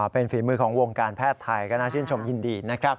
เป็นฝีมือของวงการแพทย์ไทยก็น่าชื่นชมยินดีนะครับ